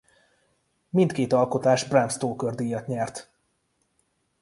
Mindkét alkotás Bram Stoker-díjat nyert.